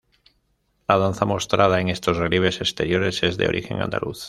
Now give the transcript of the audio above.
La danza mostrada en estos relieves exteriores es de origen andaluz.